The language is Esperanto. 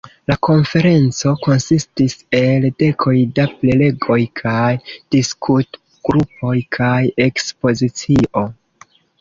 La konferenco konsistis el dekoj da prelegoj kaj diskutgrupoj kaj ekspozicio.